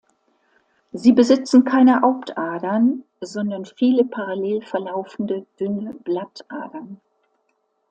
Sie besitzen keine Hauptadern, sondern viele parallel verlaufende dünne Blattadern.